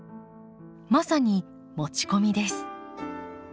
まさに持ち込みです。